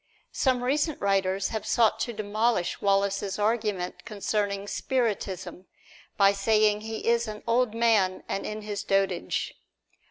Some recent writers have sought to demolish Wallace's argument concerning Spiritism by saying he is an old man and in his dotage.